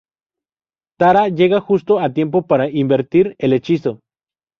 Tara llega justo a tiempo para invertir el hechizo.